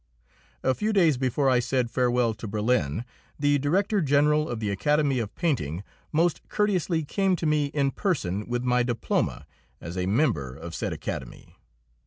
A few days before I said farewell to Berlin the Director General of the Academy of Painting most courteously came to me in person with my diploma as a member of said Academy.